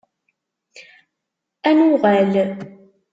Ad nuɣal!